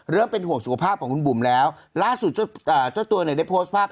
เป็นห่วงสุขภาพของคุณบุ๋มแล้วล่าสุดเจ้าตัวเนี่ยได้โพสต์ภาพ